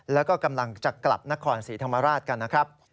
แล้วก็กำลังจะกลับนครศรีธรรมราชกันนะครับ